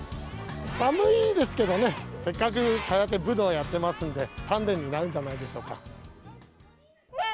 寒いですけどね、せっかく空手、武道やってますんで、鍛錬になるんじゃないでしょうか。